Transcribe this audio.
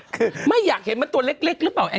คือไม่อยากเห็นมันตัวเล็กหรือเปล่า